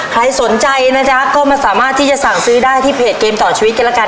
ใครสนใจนะจ๊ะก็มาสามารถที่จะสั่งซื้อได้ที่เพจเกมต่อชีวิตกันละกัน